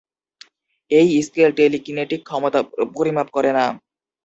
এই scale telekinetic ক্ষমতা পরিমাপ করে না।